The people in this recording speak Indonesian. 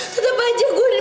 tetep aja gue diperlakuin